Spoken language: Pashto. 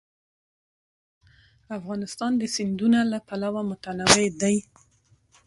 افغانستان د سیندونه له پلوه متنوع دی.